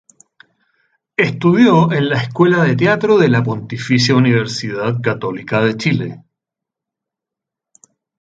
Estudió en la Escuela de teatro de la Pontificia Universidad Católica de Chile.